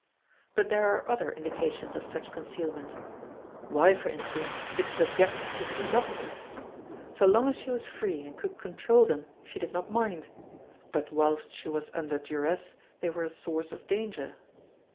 But there are other indications of such concealment. Why for instance did she object to see doctors? So long as she was free and could control them she did not mind; but whilst she was under duress they were a source of danger.